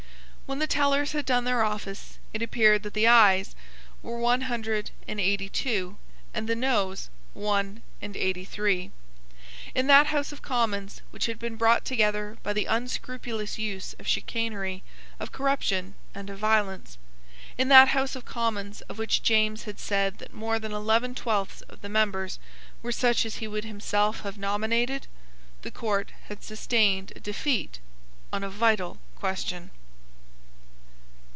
When the tellers had done their office it appeared that the Ayes were one hundred and eighty two, and the Noes one and eighty three. In that House of Commons which had been brought together by the unscrupulous use of chicanery, of corruption, and of violence, in that House of Commons of which James had said that more than eleven twelfths of the members were such as he would himself have nominated, the court had sustained a defeat on a vital question.